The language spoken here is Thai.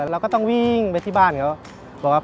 เราก็ต้องวิ่งไปที่บ้านเขานะครับ